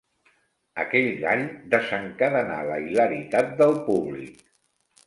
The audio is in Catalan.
Aquell gall desencadenà la hilaritat del públic.